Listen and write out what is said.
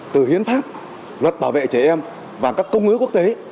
từ hiến pháp luật bảo vệ trẻ em và các công ước quốc tế